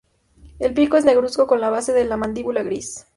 El pico es negruzco con la base de la mandíbula gris.